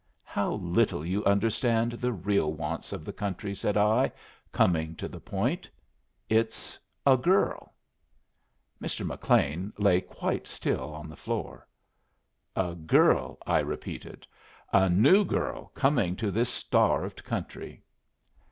"How little you understand the real wants of the country!" said I, coming to the point. "It's a girl." Mr. McLean lay quite still on the floor. "A girl," I repeated. "A new girl coming to this starved country."